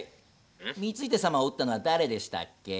光秀様を討ったのは誰でしたっけ？